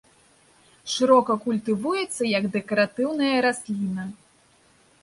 Шырока культывуецца як дэкаратыўная расліна.